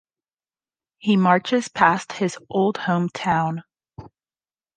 He marches past his old hometown.